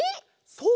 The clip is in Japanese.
そう！